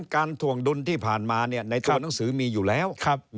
๒การทวงดุลที่ผ่านมาเนี่ยในตัวหนังสือมีอยู่แล้ว